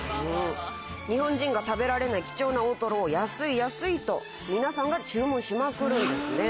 日本人が食べられない貴重な大トロを安い安いと皆さんが注文しまくるんですね。